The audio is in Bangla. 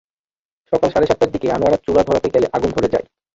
সকাল সাড়ে সাতটার দিকে আনোয়ারা চুলা ধরাতে গেলে আগুন ধরে যায়।